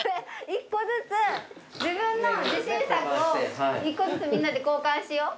１個ずつ自分の自信作を１個ずつみんなで交換しよう。